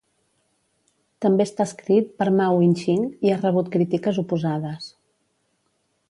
També està escrit per Ma Wing-shing i ha rebut crítiques oposades.